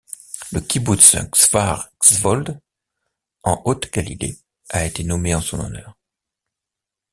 Le kibboutz Kfar Szold, en Haute Galilée a été nommé en son honneur.